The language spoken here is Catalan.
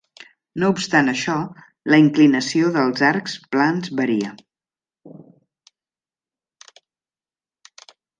No obstant això, la inclinació dels arcs plans varia.